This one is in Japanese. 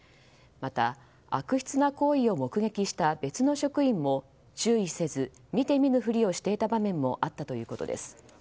また、悪質な行為を目撃した別の職員も注意せず見て見ぬふりをしていた場面もあったということです。